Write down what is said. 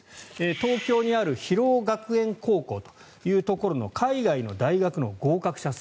東京にある広尾学園高校というところの海外の大学の合格者数。